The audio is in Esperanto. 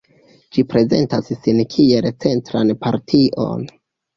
Ĝi prezentas sin kiel centran partion.